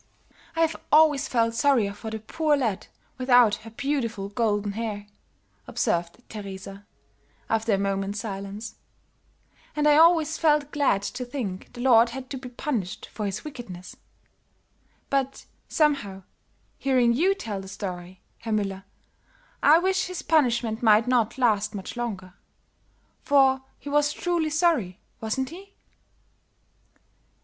"I've always felt sorrier for the poor lady without her beautiful golden hair," observed Teresa, after a moment's silence, "and I always felt glad to think the lord had to be punished for his wickedness; but, somehow, hearing you tell the story, Herr Müller, I wish his punishment might not last much longer. For he was truly sorry, wasn't he?"